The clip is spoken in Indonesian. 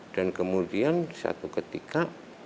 dan kemudian suatu ketika